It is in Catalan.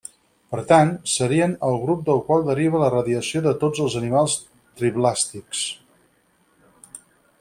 Per tant, serien el grup del qual deriva la radiació de tots els animals triblàstics.